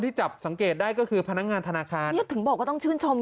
ที่จับสังเกตได้ก็คือพนักงานธนาคารถึงบอกก็ต้องชื่นชม